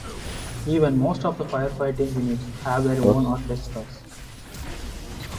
Even most of the fire fighting units have their own orchestras.